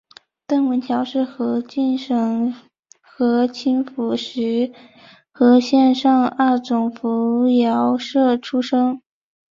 邓文乔是河静省河清府石河县上二总拂挠社出生。